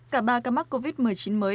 cả ba ca mắc covid một mươi chín mới